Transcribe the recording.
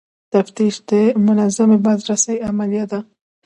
تفتیش د منظمې بازرسۍ عملیه ده.